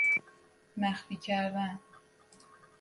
مخفی کردن